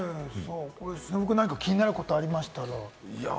忍君、何か気になることありましたら。